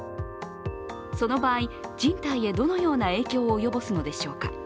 その場合、人体へどのような影響を及ぼすのでしょうか。